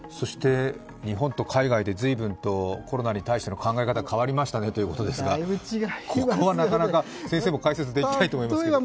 日本と海外で随分とコロナに対しての考え方が変わりましたねということですが、ここは、なかなか先生も解説できないと思いますが。